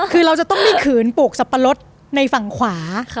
คือเราจะต้องมีขืนปลูกสับปะรดในฝั่งขวา